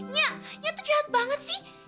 nyak nyak tuh jahat banget sih